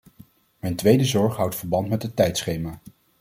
Mijn tweede zorg houdt verband met het tijdschema.